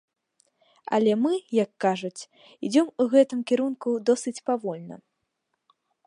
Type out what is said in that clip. Але мы, як кажуць, ідзём у гэтым кірунку досыць павольна.